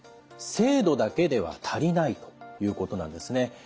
制度だけでは足りないということなんですね。